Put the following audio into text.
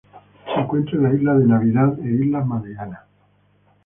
Se encuentra en la Isla de Navidad e Islas Marianas.